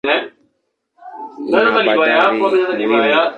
Ina bandari muhimu.